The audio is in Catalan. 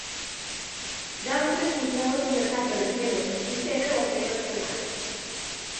D'altres inclouen una capa de crema pastissera o crema cremada.